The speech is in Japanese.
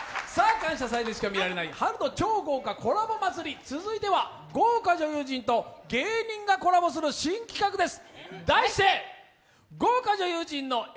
「感謝祭」でしか見られない春の超豪華コラボ祭り、続いては豪華女優陣と芸人がコラボする新企画です。